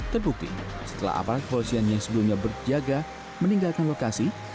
terbukti setelah aparat kepolisian yang sebelumnya berjaga meninggalkan lokasi